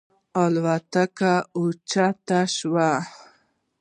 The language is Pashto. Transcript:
الوتکه اوچته شوه.